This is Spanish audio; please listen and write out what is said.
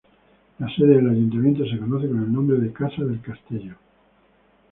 La sede del ayuntamiento se conoce con el nombre de "Casa del Castello".